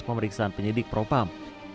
pemeriksaan penyidik propam